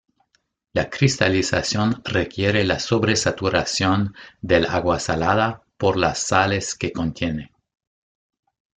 La cristalización requiere la sobresaturación del agua salada por las sales que contiene.